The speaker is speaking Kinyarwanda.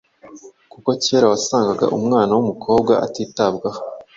kuko kera wasangaga umwana w’umukobwa atitabwaho,